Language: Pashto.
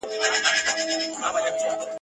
چي نه سیوری د رقیب وي نه اغیار په سترګو وینم!.